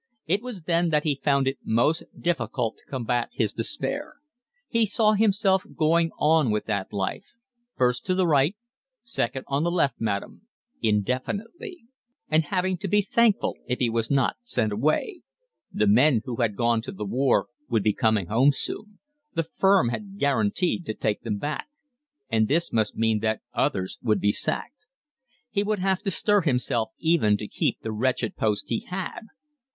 It was then that he found it most difficult to combat his despair. He saw himself going on with that life, first to the right, second on the left, madam, indefinitely; and having to be thankful if he was not sent away: the men who had gone to the war would be coming home soon, the firm had guaranteed to take them back, and this must mean that others would be sacked; he would have to stir himself even to keep the wretched post he had.